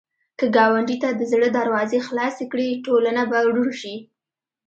که ګاونډي ته د زړه دروازې خلاصې کړې، ټولنه به روڼ شي